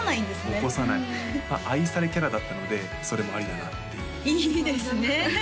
起こさない愛されキャラだったのでそれもありだなっていういいですね